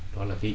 đó là thủ tướng